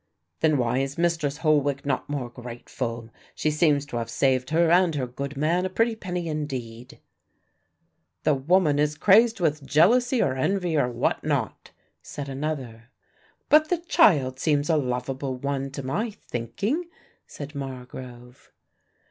"Then why is Mistress Holwick not more grateful? She seems to have saved her and her good man a pretty penny indeed." "The woman is crazed with jealousy or envy or what not," said another. "But the child seems a lovable one to my thinking," said Margrove.